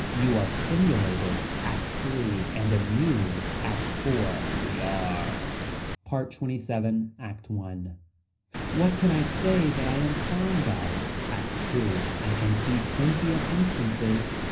You are stimulated. ACT III. And amused. ACT IV. We are. PART XXVII. ACT I. What can I say that I am fond of. ACT II. I can see plenty of instances.